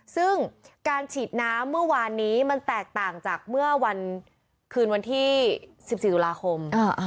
ซึ่งการฉีดน้ำเมื่อวานนี้มันแตกต่างจากเมื่อวันคืนวันที่๑๔ตุลาคม